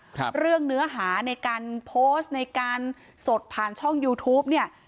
ครับเรื่องเนื้อหาในการโพสต์ในการสดผ่านช่องยูทูปเนี่ย